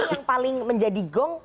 nah ini yang paling menjadi gong